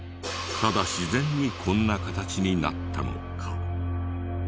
ただ自然にこんな形になったのか？